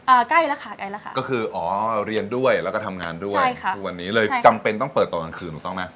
ใกล้แล้วค่ะใกล้แล้วค่ะก็คืออ๋อเรียนด้วยแล้วก็ทำงานด้วยใช่ค่ะทุกวันนี้เลยจำเป็นต้องเปิดตอนกลางคืนถูกต้องไหม